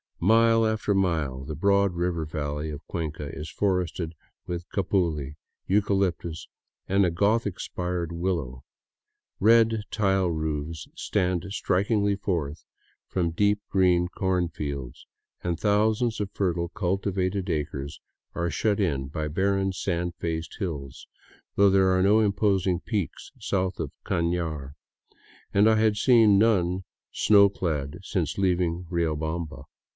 Mile after mile the broad river valley of Cuenca is forested with capuli, eucalyptus, and a Gothic spired willow. Red, tile roofs stand strikingly forth from deep green corn fields, and thousands of fertile, cultivated acres are shut in by barren, sand faced hills, though there are no imposing peaks south of Caiiar, and I had seen none snow clad since leaving Riobamba.